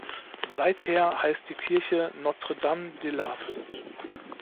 Seither heißt die Kirche Notre-Dame-des-Laves.